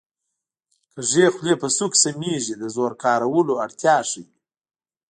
کږې خولې په سوک سمېږي د زور کارولو اړتیا ښيي